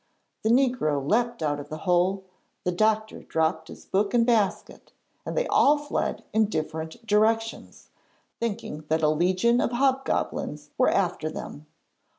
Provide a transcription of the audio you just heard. The negro leaped out of the hole, the doctor dropped his book and basket, and they all fled in different directions, thinking that a legion of hobgoblins were after them.